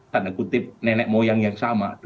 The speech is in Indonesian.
tanda kutip nenek moyang yang sama